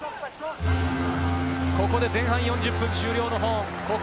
ここで前半４０分終了のホーン！